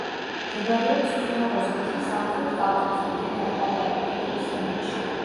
მდებარეობს ქნოღოს მთის სამხრეთ კალთაზე, მდინარე პატარა ლიახვის ზემოთში.